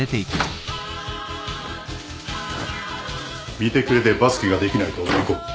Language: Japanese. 見てくれでバスケができないと思い込む。